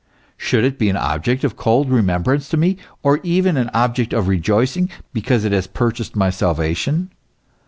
Should it be an object of cold remembrance to me, or even an object of rejoicing, because it has purchased my salvation